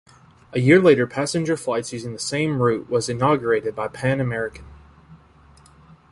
A year later passenger flights using the same route was inaugurated by Pan American.